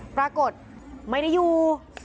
ปรากฏไม่ได้อยู่